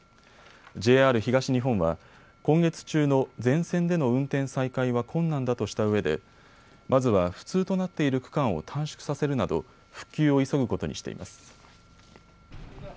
ＪＲ東日本は今月中の全線での運転再開は困難だとしたうえでまずは不通となっている区間を短縮させるなど復旧を急ぐことにしています。